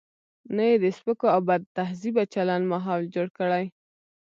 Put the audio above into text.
نه یې د سپکو او بدتهذیبه چلن ماحول جوړ کړي.